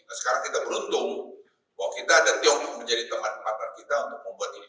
nah sekarang kita beruntung bahwa kita dan tiongkok menjadi teman partner kita untuk membuat ini